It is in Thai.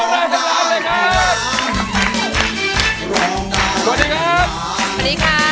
คุณหนุ่ยตอบ